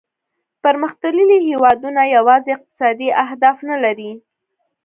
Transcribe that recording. پرمختللي هیوادونه یوازې اقتصادي اهداف نه لري